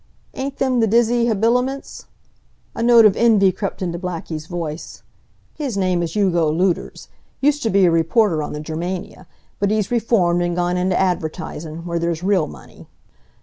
"Ain't them th' dizzy habiliments?" A note of envy crept into Blackie's voice. "His name is Hugo Luders. Used t' be a reporter on the Germania, but he's reformed and gone into advertisin', where there's real money.